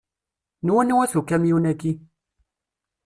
N wanwa-t ukamyun-aki?